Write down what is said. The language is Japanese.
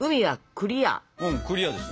クリアですね。